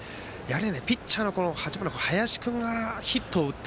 ピッチャーの林君がヒットを打った。